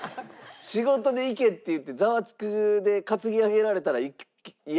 仕事で行けっていって『ザワつく！』で担ぎ上げられたら嫌々行きますけど。